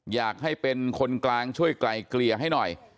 อยากให้เป็นคนกลางช่วยไกลเกลี่ยให้หน่อย